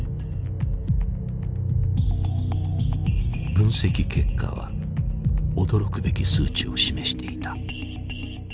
分析結果は驚くべき数値を示していた。